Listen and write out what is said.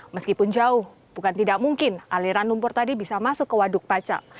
meskipun jauh bukan tidak mungkin aliran lumpur tadi bisa masuk ke waduk paca